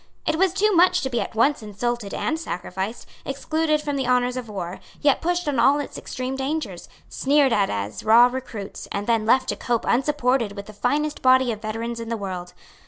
It was too much to be at once insulted and sacrificed, excluded from the honours of war, yet pushed on all its extreme dangers, sneered at as raw recruits, and then left to cope unsupported with the finest body of veterans in the world.